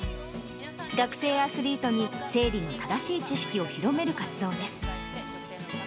学生アスリートに生理の正しい知識を広める活動です。